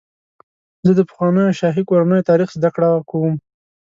زه د پخوانیو شاهي کورنیو تاریخ زدهکړه کوم.